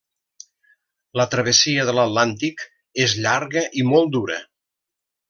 La travessia de l'Atlàntic és llarga i molt dura.